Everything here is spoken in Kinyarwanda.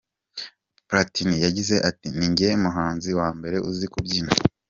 Platini yagize ati "Ninjye muhanzi wa mbere uzi kubyina.